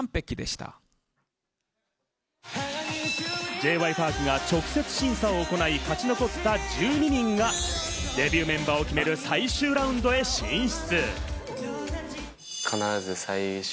Ｊ．Ｙ．Ｐａｒｋが直接審査を行い、勝ち残った１２人がデビューメンバーを決める最終ラウンドへ進出。